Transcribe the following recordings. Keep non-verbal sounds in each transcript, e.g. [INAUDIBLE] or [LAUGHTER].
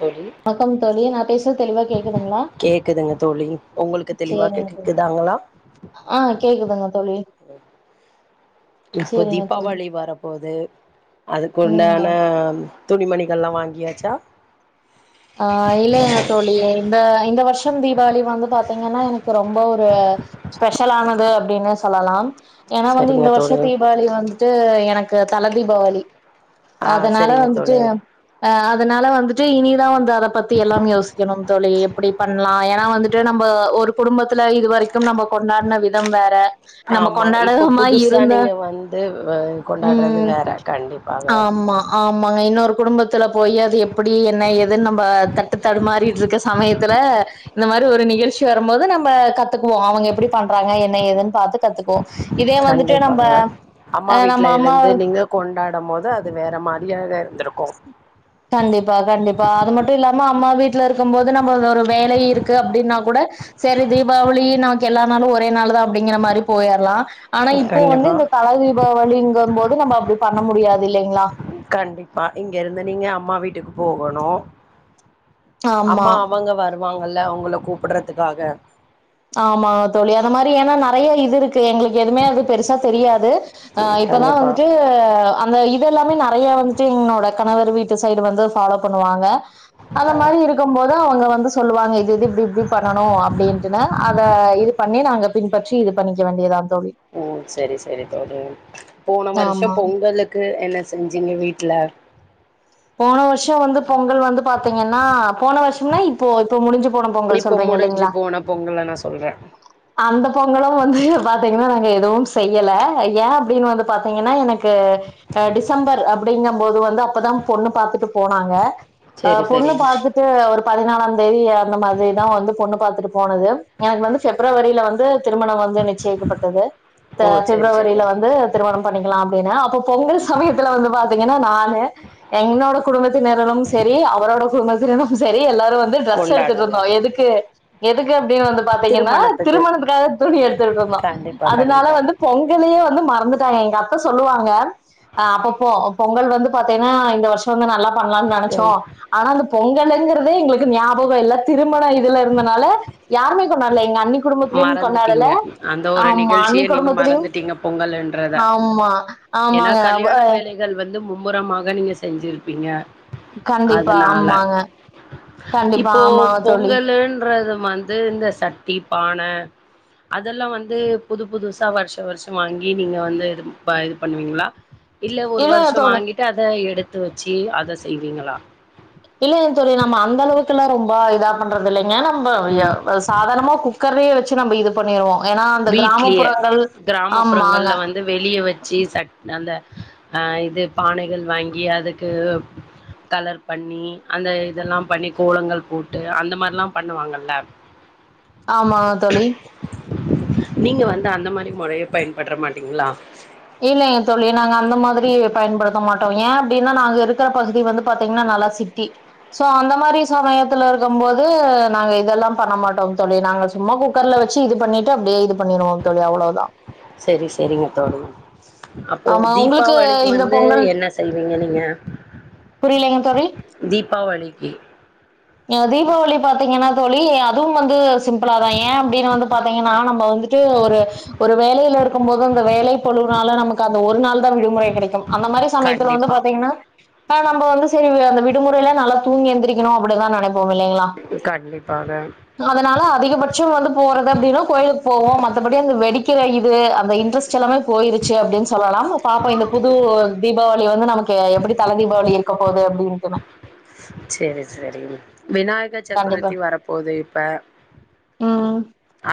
தோழி வணக்கம் தோழி நான் பேசுற தெளிவா கேக்குதுங்களா கேக்குதுங்க தோழி உங்களுக்கு தெளிவா சேரி கேக்குதாங்களா ஆஹ் கேக்குதுங்க தோழி இப்போ சேரிங்க தோழி தீபாவளி வரப்போது அதுக்கு ம் ஆ உண்டான துணி மணிகல்லாம் வாங்கியாச்சா ஆஹ் இல்லங்க தோழியே இந்த இந்த வருஷம் தீபாவளி வந்து பார்த்தீங்கன்னா எனக்கு ரொம்ப ஒரு ஸ்பெஷல் ஆனது அப்டின்னு சொல்லலாம் ஏன்னா வந்து சரிங்க இந்த தோழி வருஷம் தீபாவளி வந்துட்டு எனக்கு தல தீபாவளி ஆ அதனால சரிங்க வந்துட்டு தோழி அதனால வந்துட்டு இனிதான் வந் அத பத்தி எல்லாம் யோசிக்கணும் தோழி எப்படி பண்ணலாம் ஏன்னா வந்துட்டு நம்ம ஒரு குடும்பத்துல இது வரைக்கும் நம்ம கொண்டாடின விதம் வேற நம்ம ஆமா இப்ப கொண்டாடாம புதுசா இருந்த நீங்க வந்து ஹ கொண்டாடுறது ம் வேற கண்டிப்பாங்க. ஆமா, ஆமாங்க. இன்னொரு குடும்பத்துல போய் அது எப்படி என்ன ஏது. துன்னு நம்ம தட்டு தடுமாறிட்டுருக்க சமயத்துல. இந்த மாரி ஒரு நிகழ்ச்சி வரும்போது நம்ம கத்துக்குவோ அவங்க எப்டி பண்றாங்க என்ன ஏதுன்னு பாத்து கத்துக்குவோ. கண்டிப்பாங்க அம்மா நம்ம வீட்டுல அம்மா இருந்து நீங்க கொண்டா. டும்போது அது வேற மாரியாக. இருந்திருக்கு கண்டிப்பா கண்டிப்பா அது மட்டும் இல்லாம. அம்மா வீட்டுல இருக்கும்போது நம்ம ஒரு வேல இருக்கு அப்டின்னா கூட சேரி தீபாவளி நமக்கு எல்லா நாளும் ஒரே நாளுதா அப்டிங்கிற மாரி போயிரலா. ஆனா இப்போ கண்டிப்பா வந்து இந்த தல தீபாவளிங்கும் போ. நம்ம அப்டி பண்ண முடியாது இல்லைங்களா. கண்டிப்பா இங்க இருந்து நீங்க அம்மா வீட்டுக்கு போகணு. அம்மா ஆமா. அவங்க வருவாங். எல்லா அவங்கள கூப்புடுறதுக்காக. ஆமாங்க தோழி அந்த மாரி ஆன நறைய இது இருக்கு எங்களுக்கு எதுவுமே அது பெருசா தெரியாது. அஹ இப்பதா கண்டிப்பா வந்துட்டு அந்த இது எல்லாமே நறைய வந்துட்டு என்ங்களோட. கணவர் வீட்டு சைடு வந்து ஃபாலோ பண்ணுவாங்க. அந்த ஆ மாரி இருக்கும்போது அவங்க வந்து சொல்லுவாங்க இது இது இப்டி இப்டி பண்ணணு அப்டின். ந அத இது பண்ணி நாங்க பின்பற்றி இது பண்ணிக்க வேண்டியதா. தோழி ஓ செரி செரி தோழி. போன வருஷம் ஆமா பொங்கலுக்கு என்ன செஞ்சீங்க வீட்டுல. போன வருஷோ வந்து ன்னா இப்போ இப்ப முடிஞ்ச. போன பொங்கல் சொல்றீங்க முடிஞ்சு இல்லைங்களா. போன பொங்கல நா சொல்றே அந்த பொங்கலும் வந்து ஹ பாத்தீங்கன்னா. நாங்க எதுவும் செய்யல ஏ அப்படின்னு வந்து பாத்தீங்கன்னா எனக்கு டிசம்பர் அப்படிங்கும்போது வந்து அப்பதா பொண்ணு பாத்துட்டு போனாங்க. ஆஹ செரி பொண்ணு செரி பாத்துட்டு ஒரு பதினாலாந். தெரிய அந்த மாதிரிதா வந்து பொண்ணு பாத்துட்டு. போனது. எனக்கு வந்து பெப்ரவரி பெப்ரவரியில வந்து திருமணம் வந்து நிச்சயக்கப்பட்டது. ஓ செரி செரி ப்பிப்ரவரியில வந்து திருமணம் பண்ணிக்கலாம் அப்படின்னு அப்ப பொங்கல் சமயத்துல வந்து பாத். ங்கன்னா நானு என்னோட குடும்பத்தினரும் செரி அவரோட குடும்பத்தினரும் செரி எல்லாரு. வந்து டிரஸ் எடுத்துட்டு கொண்டாடல இருந்தோ எதுக்கு. எதுக்கு அப்படின்னு வந்து பாத்தீங்கன்னா திருமணத்துக்கு திருமணத்துக்காக துணி எடுத்துட்டு இருந்தோ கண்டிப்பா அதனால கண்டிப்பா வந்து பொங்கலு. வந்து மறந்துட்டாங்க எங்க அப்பு சொல்லுவாங்க. அஹ அப்ப பொ பொங்கல் வந்து. பாத்தீங்கன்னா இந்த வருஷோ வந்து நல்லாப். பண்ணலாம்னு நினைச்சோ ம் ஆனா அந்த பொங். களுங்குறதே எங்களுக்கு ஞாபகோ இல்ல திருமண இதுல. இருந்தனால யாருமே கொண்டாடல எங்க அண்ணி குடும்பத்திலயும் கொண்டாடல மறந்துட்டீங்க அந்த ஒரு ஆமா அண்ணி நிகழ்ச்சியை நீங்க குடும்பத்திலயும் மறந்துட்டீங்க பொங்கல்ன்றத ஆமா ஏன்னா ஆமாங்க கல்யாண அ வேலைகள் வந்து அப்புறமாக நீங்கள் செஞ்சுருப்பீங்க கண்டிப்பா ஆமாங்க கண்டிப்பா இப்போ ஆமாவ தோழி பொங்கலுன்றது வந்து இந்த சட்டிப் பானை அதெல்லா வந்து புது புதுசா வருசம் வருஷசமா வாங்கி நீங்க வந்து இது இது பண்ணுவீங்களா இல்ல ஒரு இல்லைங்க வருஷம் தோழி வாங்கிட்டு அத எடுத் பத்த வச்சி அத செய்வீங்களா இல்லங்க தோழி ஏ நம்ம அந்தளவுக்கல்லாம் ரொம்ப இதா பண்ற இல்லை என் நம் ம் சாதாரனமா குக்கர வச்சி நம்ம இது பண்ணிருவோம் வீட்லயே ஆமாங்க கிராமப்புறங்கள்ல வந்து வெளிய வச்சு சட் அந்த அஹ் இது பானைகள் வாங்கி அதுக்கு கலர் பண்ணி அந்த இதெல்லாம் பண்ணி கோலங்கள் போட்டு அந்த மாரியலம் பண்ணுவாங்கல்ல ஆமங்க தொழி நீங்க வந்து அந்த மாதிரி முறைய பயன்படமாட்டீங்களா இல்லங்க தொழிநாங்க அந்த மாதிரி பயன்படுத்த மாட்டோங்க ஏன் அப்படின்னா நாங்க இருக்கிற பகுதி வந்து பத்தீங்கன்னா நல்லா சிட்டி சோ அந்த மாதிரி சமயத்துல இருக்கும் போது நாங்க இதெல்லாம் பண்ண மாட்டோம் தொழி நாங்க சும்மா குக்கர்ல வச்சு இது பண்ணிட்டு அப்படியே இது பண்ணிருவம் தொழி அவ்வளவுதான் செரி செரிங்க தோழி அப்போ தீப்பாவளிக்கு வந்து என்ன செய்விங்க நீ நீங்க [UNINTELLIGIBLE] புரியலங்க தோழி பவளிக்கு ஏ தீபாவளி பாத்திங்கன்னா தோழி அதுவும் வந்து சிம்பிளா தா ஏ அப்பிடினு வந்து பாத்திங்கனா நம்பவந்துட்டு ஒரு ஒரு வேலையில இருக்கு போது அந்த வேலை பொழுது நாலு நமக்கு அந்த ஒரு நாள் தான் விடுமுறை கிடைக்கும் அந்த மாரி சமயத்துல வந்து கண்டிப்பா பாத்திகன்னா ஆஹ நம்ம வந்து சரி அந்த விடுமுறையில நல்லா தூங்கி எழுதிரிகிறோம் அப்படி தான் நெனச் போம் யிலங்கிளா கண்டிப்பாக அதனால அதிகபச்சும்அந்தவந்து போற்றது அப்படினா கோயிலுகு போவோம் மத்தடி அந்த வெடிக்கிற இது அந்த இன்டெரெஸ்ட் ச்சயிலமேபோயிருச்சி அப்படின்னு சொல்லாம பாப்போம் இந்த புது தீபாவளி வந்து நமக்கு எப்படி தல தீபாவளி இருக்க போகுதுன்னு இமா சேரி சேரி விநாயகர் கண்டிப்பா சக்குரத்தி வரப்போது இப்ப ம்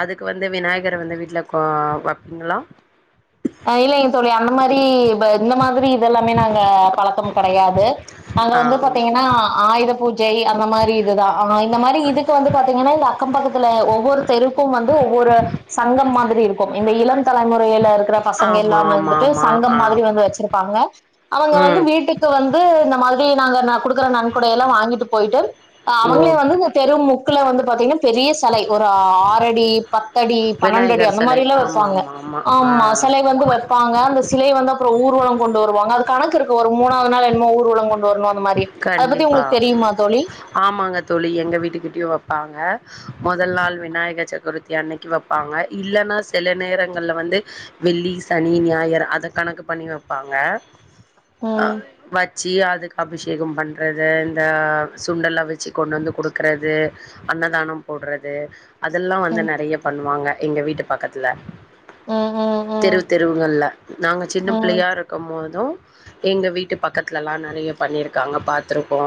அதுக்கு வந்து விநாயகர வந்து வீட்டில கொ வப்பிங்களா அஹ இல்லங்க தோழி அந்த மாரி இந்த மாரி இதெல்லாமே நாங்க பழக்கம் கிடையாது அங்க ஆ வந்து பாத்திங்கனா ஆயுத பூஜையை அந்த மாரி இதுதாஹ இந்த மாரி இதுக்கு வந்து பாத்திங்கனா இந்த அக்கம் பக்கத்துல ஒவ்வொரு தெருக்கும் வந்து ஒவ்வொரு சங்கம் மாதிரி இருக்கும் இந்த இளம் தலைமுறையில இருக்க பசங்க ஆமா எல்லாமே ஆமா வந்துட்டு ஆமா ஆ சங்கம் மாதிரி வந்து வச்சிருப்பாங்க அவங்க வந்து ம் வீட்டுக்கு வந்து இந்த மாதிரி நாங்க [UNINTELLIGIBLE] குடுக்கற நன்கொடையல்லா வாங்கிட்டு போயிட்டு ஓ அவங்களே வந்து இந்த தெரு முக்குல வந்து பாத்திங்கனா பெரிய ஸ் தலை ஒரு ஆறடி பத்தடி பன்னெண்டு அடி விநாயகர் அந்த சிலை மாரியல்லா ஆமா வெப்பாங்க ஆமா ஆ ஆமா செலை வந்து வெப்பாங்க அந்த சிலை வந்து அப்றோ ஊர்வலோ கொண்டு வருவாங்க அது கணக்கிருக்கு ஒரு முணாவது நாள் என்னமோ ஊர்வலங்கொண்டு வரணு அந்த மாரி அத பத்தி கண்டிபா உங்களுக்கு தெரியுமா தோழி ஆமாங்க தோழி எங்க வீட்டுக்கிட்டயும் வைப்பாங்க மொதல் நாள் விநாயகர் சகுருத்தி அன்னைக்கி வைப்பாங்க இல்லனா சில நேரங்களல வந்து வெள்ளி சனி ஞாயிர் அத கணக்கு பண்ணி வெப்பாங்க ஆ ம் வச் சி அதுக்கு அபிஷே கம் பண்றது இந்த சுண்டெல்லா வச்சு கொண்டு வந்து குடுக்கறது அன்னதானம் போடறது அதெல்லா வந்து ம் நெறைய பண்ணுவாங்க எங்க வீட்டு பக்கத்துல ம் தெரு ம் தெருவுகள்ல நாங்க சின்னப் ம் பிள்ளையா இருக்கும் போதும் எங்க வீட்டு பக்கத்துலல்லா நெறைய பண்ணிரு க்காங்க பாத்துருக்கோ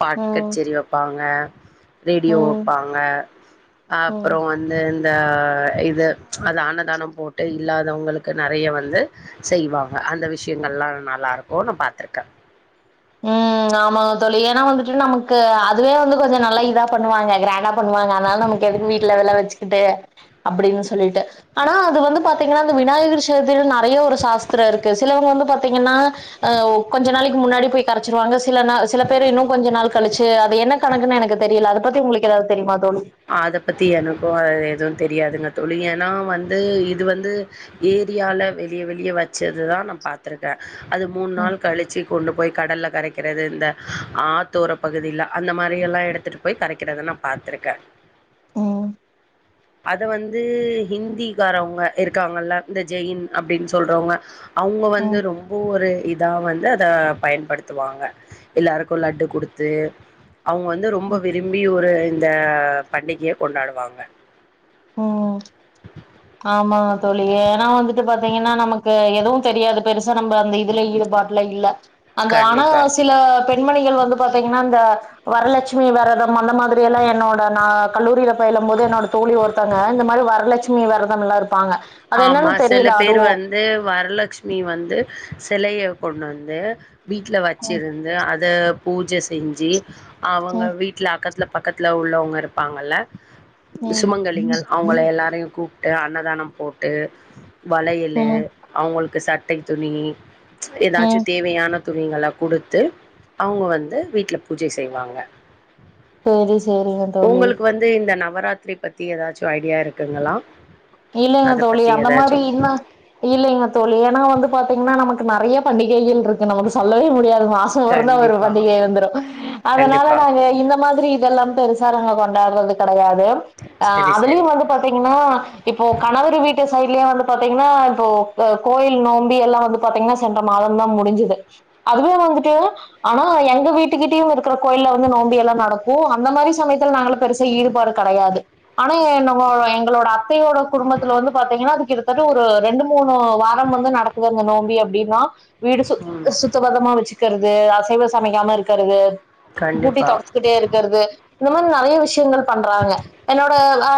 பாட்டு ம் கச்சேரி வைப்பாங்க ரேடியோ ம் வைப்பாங்க ம் ம் அப்றோ வந்து ந்த இது அந்த அன்னதானம் போட்டு இல்லாதவங்களுக்கு நெறைய வந்து செய்வாங்க அந்த விஷயங்கள்லா நல்லா இருக்கு நா பாத்துருக்கே உம் ஆமாங்க தோழி ஏன்னா வந்துட்டு நமக்கு அதுவே வந்து கொஞ்ச நல்லா இதா பண்ணுவாங்க கிராண்டா பண்ணுவாங்க அதனால நமக்கு எதுக்கு வீட்ல ஒல வச்சுக்கிட்டு அப்டின்னு சொல்லிட்டு ஆனா அது வந்து பாத்தீங்கன்னா அந்த விநாயகர் சதுர்த்தியில நெறைய ஒரு சாஸ்திரோ இருக்கு சிலவங்க வந்து பாத்தீங்கன்னா அஹ் கொஞ்ச நாளைக்கு முன்னாடி போய் கரைச்சிருவாங்க சில னா சில பேர் இன்னு கொஞ்ச நாள் கழிச்சு அது என்ன கணக்குன்னு எனக்கு தெரியல அது பத்தி உங்களுக்கு ஏதாவது தெரியுமா தோழி அத பத்தி எனக்கு எதுவு தெரியாதுங்க தோழி ஏன்னா வந்து இது வந்து ஏரியால வெளிய வெளிய வச்சதுதா நா பாத்துருக்கே அது மூணு ம் நாள் கழிச்சு கொண்டு போய் கடல்ல கரைக் கிறது இந்த ஆத்தோர பகுதியில அந்த மாரி எல்லா எடுத்துட்டு போய் கரைக்கிறத நா பாத்திருக்கே ம் அத வந்து ஹிந்திக்காரவங்க இருக்காங்கல்ல இந்த ஜெயின் அப்டின்னு சொல்றவங்க அவங்க வந்து ம் ரொம்ப ஒரு இ தா வந்து அத பயன்படுத்துவாங்க எல்லாருக்கு லட்டு குடுத்து அவங்க வந்து ரொம்ப விரும்பி ஒரு இந்த பண்டிகைய கொண்டாடுவாங்க உம் ஆமாங்க தோழி ஏன்னா வந்துட்டு பாத்தீங்கன்னா நமக்கு எதுவு தெரியாது பெருசா நம்ப அந்த இதுல ஈடுபாட்டுல இல்ல அந்த ஆனா கண்டிப்பா சில பெண்மணிகள் வந் வந்து பாத்தீங்கன்னா இந்த வரலட்சுமி வெரதம் அந்த மாதிரி எல்லாம் என்னோட நா கல்லூரியில பயிலும் போது என்னோட தோழி ஒருத் இந்த மாதிரி வரலட்சுமி வெரதம்லா இருக் ஆமா சில பேரு வந்து வரலட்சுமி வந்து சிலைய கொண்டு வந்து வீட்ல வச்சிருந்து அது அத பூஜ செஞ்சு அவுங்க ம் வீட்ல அக்கத்துல பக்கத்ல உள்ளவங்க இருப்பாங்கல்ல ம் சுமங்கலிங்கள் அவுங்கள எல்லாரையும் கூப்டு அன்னதானம் போட்டு போட்டு வளையலு ம் அவுங்களுக்கு சட் டைத் துணி ம் ஏதாச்சும் தேவையான துணிங்களை குடுத்து அவுங்க வந்து வீட்ல பூஜை செய்வாங்க சேரி சேரிங்க தோழி உங்களுக்கு வந்து இந்த நவ நவராத்திரி பத்தி ஏதாச்சும் ஐடியா இருக்குங்களா இல்லைங்க அத தோழி பத்தி அந்த மாரி ஏதாச்சு இன இல்லைங்க தோழி ஏன்னா வந்து பாத்தீங்கன்னா நமக்கு நறைய பண்டிகைகள் இருக்கு நமக்கு சொல்லவே முடியாது மாசம் ஒர்னா ஒரு கண்டிப்பா பண்டிகை இருந்துரும் அதனால கண்டிப்பா நாங்க இந்த மாதிரி இதெல்லாம் பெருசு கொண்டாடுறது கெடையாது ஆஹ் சரி சரி அதுலயும் வந்து பாத்தீங்கன்னா இப்போ கணவர் வீட்டு சைட்லயும் வந்து பாத்தீங்கன்னா இப்போ கோயில் நோம்பி எல்லாம் வந்து பாத்தீங்கன்னா சென்ற மாதம்தான் முடிஞ்சுது அதுவே வந்துட்டு ஆனா எங்க வீட்டுக்கிட்டயும் இருக்கிற கோயில்ல வந்து நோம்பி எல்லாம் நடக்கும் அந்த மாரி சமயத்துல நாங்கள பெருசா ஈடுபாடு கெடையாது ஆனா எங்களோட அப் அத்தையோட குடும்பத்துல வந்து பாத்தீங்கன்னா அதுக்கு ஒரு ரெண்டு மூணு வாரம் வந்து நடக்குது அந்த நோம்பி அப்டின்னா வீடு சு ம் சுத்த பதமா வச்சுக் இருக்கறது அசைவ சமைக்காம இருக்கறது கூட்டி கண்டிப்பா தொடச்சிக்கிட்டே இருக்கறது இந்த மாரி நறைய விஷயங்கள் பண்றாங்க என்னோட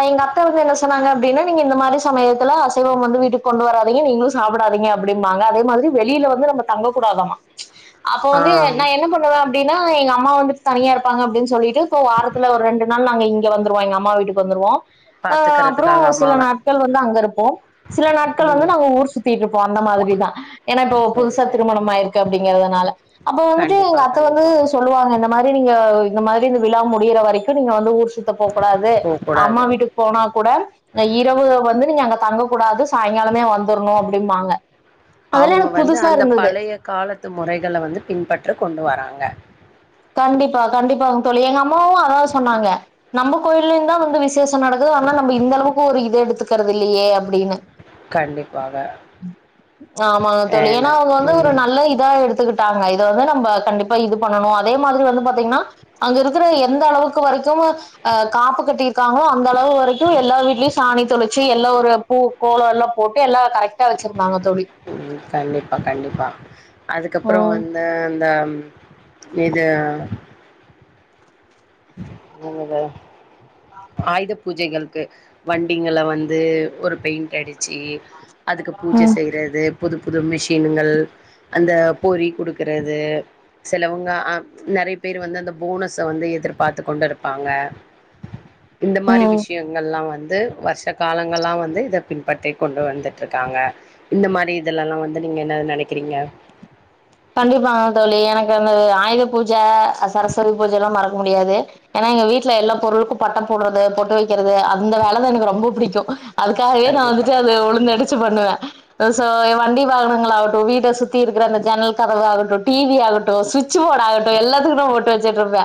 எங்க அத்தை வந்து என்ன சொன்னாங்க அப்டின்னா நீங்க இந்த மாரி சமயத்துல அசைவம் வந்து வீட்டுக்கு கொண்டு வராதிங்க நீங்களும் சாப்டாதீங்க அப்படிம்பாங்க அதே மாதிரி வெளியில வந்து நம்ம தங்கக் கூடாதாமா அப்ப ஆ வந்து நா என்ன பண்ணுவே அப்டின்னா எங்க அம்மா வந்துட்டு தனியா இருப்பாங்க அப்டின்னு சொல்லிட்டு இப்ப வாரத்துல ஒரு ரெண்டு நாள் நாங்க இங்க வந்துருவோ எங்க அம்மா வீட்டுக்கு வந்துருவோ ஆ அப்புறோ பாத்துக்கிறதுக்காக அம் சில நாட்கள் வந்து அங்க இருப்போ சில நாட்கள் வந்து ம் நாங்க ஊர் சுத்திட்டு இருப்போ அந்த மாதிரிதா ஏன்னா இப்போ சரி புதுசா சரி திருமணமாயிருக்கு அப்டிங்கறதுனால அப்ப வந்துட்டு கண்டிப்பா எங்க அத்த வந்து கண்டிப்பா சொல்லுவாங்க இந்த மாரி நீங்க இந்த மாரி இந்த விழா முடியிற வரைக்கு நீங்க வந்து ஊர் சு த்த போக்கூடாது அம்மா போக்கூடாது வீட்டுக்கு போனா கூட அ இரவு வந் து நீங்க அங்க தங்கக்கூடாது அதெல்லா அவங்க எனக்கு வந்து புதுசா அந்த இருந்தது பழைய காலத்து முறைகள வந்து பின்பற்ற கொண்டு வராங் க கண்டிப்பா கண்டிப்பாங்க தோழி எங்க அம்மாவு அதா சொன்னாங்க நம்ம கோயில்லயுந்தா வந்து விசேஷோ நடக்குது ஆனா நம்ப இந்தளவுக்கு ஒரு இத எடுத்துக்கிறது இல்லையே அப்டின்னு கண்டிப்பாக ஆமாங்க தோழி ஏன ஏன்னா அவங்க வந்து ஒரு ம் நல்ல இதா எடுத்துக்கி ட்டாங்க இத வந்து நம்ப கண்டிப்பா இது பண்ணணு அதே மாதிரி வந்து பாத்தீங்கன்னா அங்க இருக்கிற எந்த அளவுக்கு வரைக்குமு ஆ காப்பு கட்டிருக்காங்களோ அந்த அளவு வரைக்கு எல்லா வீட்லயு சாணி தொளிச்சு எல்லா ஒரு பூ கோலம் எல்லா போட்டு எல்லா கரெக்டா வச்சிரு உம் கண்டிப்பா கண்டிப்பா அதுக்கப்புறோ ம் வந்து அந்த ம் இது என்னது ஆயுத பூஜைகள் க்கு வண்டிங்கள வந்து ஒரு பெயிண்ட் அடி ச்சு அதுக்கு பூஜை ம் செய்றது புது புது மிஷின்கள் அந்த பொரி குடுக்குறது சிலவங்க ஆ நெறைய பேர் வந்து அந்த போனஸ வந்து எதிர் பாத்துக்கொண்டு இருப்பாங்க இந்த மாரி ம் விஷயங்கள்லா வந் து வருஷ காலங்களா வந்து இத பின்பற்றிக்கொண்டு வந்துட்ருக்காங்க இந்த மாரி இதுலல்லா வந்து நீங்க என்னது நெனைக்கிறீங்க கண்டிப்பாங்க தோழி எனக்கு அந்த ஆயுத பூஜ அ சரஸ்வதி பூஜ எல்லா மறக்க முடியாது ஏன்னா எங்க வீட்ல எல்லா பொருளுக்கு பட்டை போடுறது பொட்டு வைக்கிறது அந்த வேலைதா எனக்கு ரொம்ப புடிக்கு அதுக்காகவே நா கண்டிப்பா வந்துட்டு அத உழுந்தடிச்சு பண்ணுவே அ சோ ஏன் வண்டி வாகனங்களாகட்டு வீட்ட சுத்தி இருக்கிற அந்த ஜன்னல் கதவாகட்டு டிவி ஆகட்டு சுவிட்சு போர்டு ஆகட்டு எல்லாத்துக்கு நா பொட்டு வச்சுட்டு இருப்பே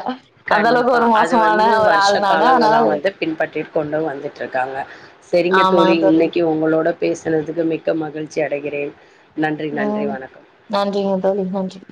அந்த அளவுக்கு கண்டிப்பா ஒரு அது மோசமான வந்து ஒரு வருஷ ஆள் நானு காலங்களா அதனால வந்து பின்பற்றிக் கொண்டு வந் துட்ருக்காங்க செரிங்க தோழி இன்னைக்கி உங்களோட பேசினதுக்கு மிக்க மகிழ்ச்சி அடைகிறேன் நன்றி நன்றி உம் வணக்கம் நன்றிங்க தோழி நன்றி